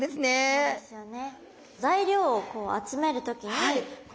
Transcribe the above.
そうですよね。